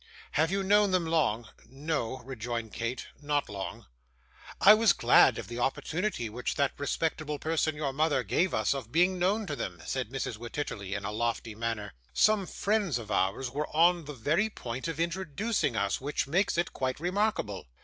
'Have you known them long?' 'No,' rejoined Kate. 'Not long.' 'I was very glad of the opportunity which that respectable person, your mother, gave us of being known to them,' said Mrs. Wititterly, in a lofty manner. 'Some friends of ours were on the very point of introducing us, which makes it quite remarkable.